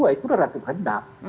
itu sudah ratu hendak